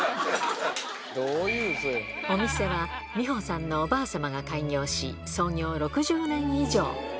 お店は美保さんのおばあさまが開業し、創業６０年以上。